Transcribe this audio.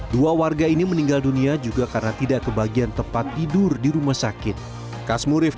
dua warga ini meninggal dunia juga karena tidak kebagian tempat tidur di rumah sakit kasmurif